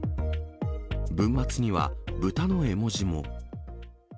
文末には、ブタの絵文字も。